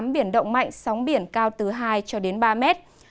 biển động mạnh sóng biển cao từ hai cho đến ba mét